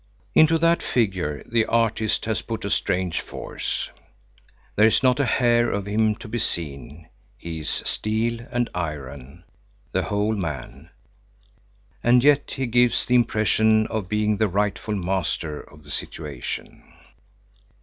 Into that figure the artist has put a strange force. There is not a hair of him to be seen; he is steel and iron, the whole man, and yet he gives the impression of being the rightful master of the situation.